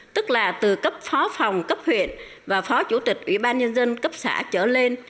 tức là từ cấp phó phòng cấp huyện và phó chủ tịch ủy ban nhân dân cấp xã trở lên